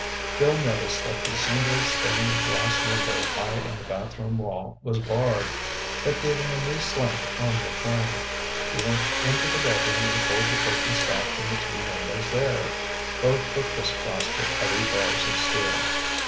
Bill noticed that the single stained glass window high in the bathroom wall was barred. That gave him a new slant on the plan. He went into the bedroom and pulled the curtains back from the two windows there. Both were crisscrossed with heavy bars of steel.